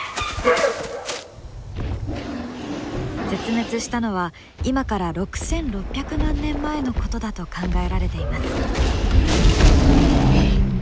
絶滅したのは今から６，６００万年前のことだと考えられています。